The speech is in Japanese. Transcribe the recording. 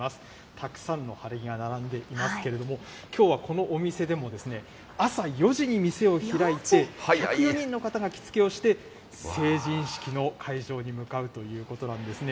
たくさんの晴れ着が並んでいますけれども、きょうはこのお店でも、朝４時に店を開いて、の方が着付けをして、成人式の会場に向かうということなんですね。